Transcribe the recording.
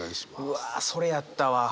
うわそれやったわ。